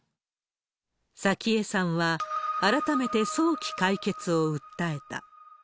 早紀江さんは、改めて早期解決を訴えた。